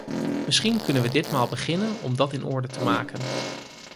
Misschien kunnen we ditmaal beginnen om dat in orde te maken.